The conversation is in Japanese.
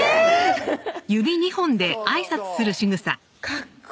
かっこいい